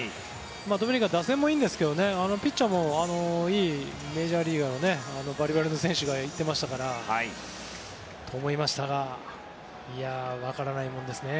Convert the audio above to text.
ドミニカは打線もいいですがピッチャーもいいメジャーリーガーのバリバリの選手がいたのでそう思っていたんですが分からないものですね。